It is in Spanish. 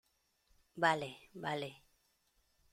vale. vale .